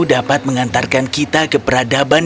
dapat mengantarkan kita ke peradaban